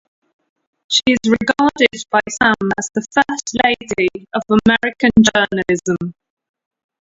She is regarded by some as the First Lady of American Journalism.